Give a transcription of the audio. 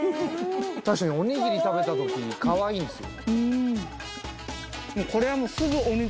確かにおにぎり食べた時かわいいんですよ